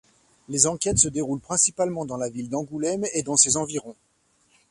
Les enquêtes se déroulent principalement dans la ville d'Angoulême et dans ses environs.